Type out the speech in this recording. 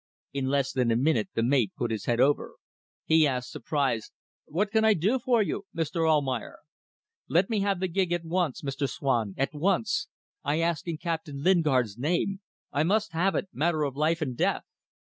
In less than a minute the mate put his head over. He asked, surprised "What can I do for you, Mr. Almayer?" "Let me have the gig at once, Mr. Swan at once. I ask in Captain Lingard's name. I must have it. Matter of life and death."